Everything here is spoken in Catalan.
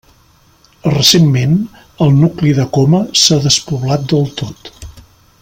Recentment, el nucli de Coma s'ha despoblat del tot.